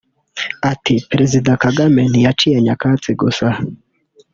Ati “Perezida Kagame ntiyaciye nyakatsi gusa